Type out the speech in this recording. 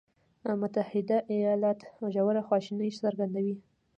متحده ایالات ژوره خواشیني څرګندوي.